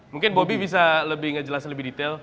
mungkin bobby bisa lebih ngejelasin lebih detail